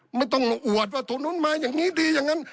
ไม่ต้องอวดว่าตรงนู้นมาอย่างนี้ดีอย่างนั้น